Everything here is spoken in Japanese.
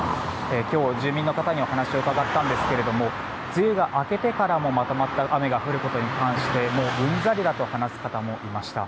今日、住民の方にお話を伺ったんですが梅雨が明けてからもまとまった雨が降ることに関してもううんざりだと話す方もいました。